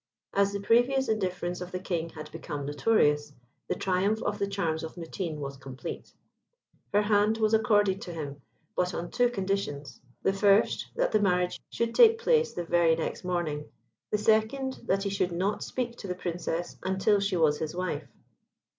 As the previous indifference of the King had become notorious, the triumph of the charms of Mutine was complete. Her hand was accorded to him but on two conditions. The first, that the marriage should take place the very next morning; the second, that he should not speak to the Princess until she was his wife.